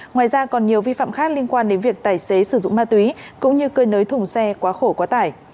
ngoài ra còn nhiều vi phạm khác liên quan đến việc tài xế sử dụng ma túy cũng như cơi nới thùng xe quá khổ quá tải